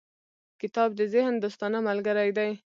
• کتاب د ذهن دوستانه ملګری دی.